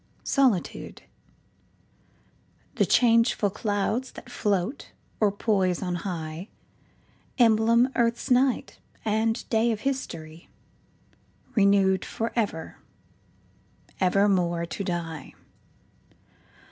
SOLITUDEThe changeful clouds that float or poise on high, Emblem earth's night and day of history:Renew'd for ever, evermore to die.